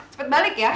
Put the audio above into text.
cepet balik ya